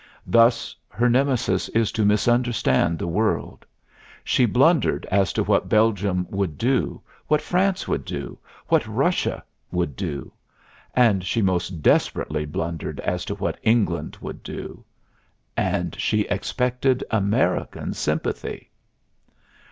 Thus her Nemesis is to misunderstand the world. She blundered as to what Belgium would do, what France would do, what Russia would do; and she most desperately blundered as to what England would do. And she expected American sympathy.